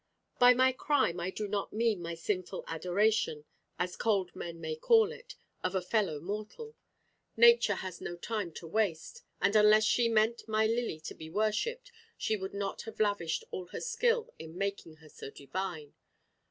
By my crime, I do not mean my sinful adoration, as cold men may call it, of a fellow mortal. Nature has no time to waste, and unless she meant my Lily to be worshipped, she would not have lavished all her skill in making her so divine.